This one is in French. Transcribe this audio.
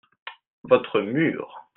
votre mur.